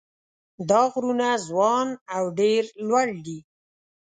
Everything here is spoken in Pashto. دا غرونه ځوان او ډېر لوړ دي.